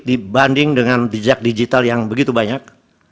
dibanding dengan jejak digital yang begitu banyak